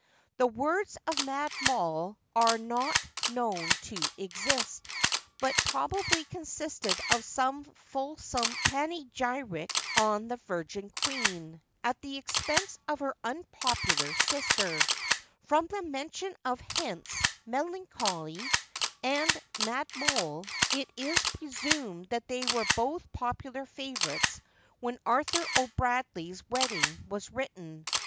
The words of Mad Moll are not known to exist, but probably consisted of some fulsome panegyric on the virgin queen, at the expense of her unpopular sister. From the mention of Hence, Melancholy, and Mad Moll, it is presumed that they were both popular favourites when Arthur O'Bradley's Wedding was written.